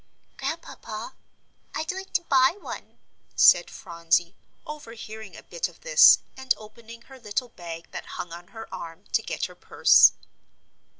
"Grandpapa, I'd like to buy one," said Phronsie, overhearing a bit of this, and opening her little bag that hung on her arm, to get her purse.